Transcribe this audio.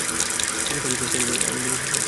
আমি এটা বিশ্বাস করতে পারছি না।